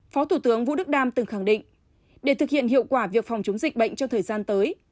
phó thủ tướng vũ đức đam từng khẳng định để thực hiện hiệu quả việc phòng chống dịch bệnh trong thời gian tới